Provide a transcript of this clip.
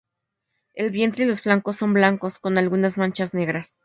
El vientre y los flancos son blancos, con algunas manchas negras.